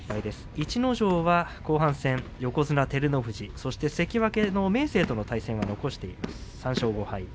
逸ノ城は後半戦、横綱照ノ富士そして関脇の明生との対戦を残しています、３勝５敗。